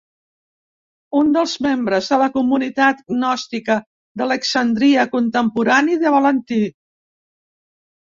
Un dels membres de la comunitat gnòstica d'Alexandria contemporani de Valentí.